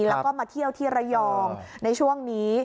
แล้วก็มาเที่ยวที่ระยองในช่วงนี้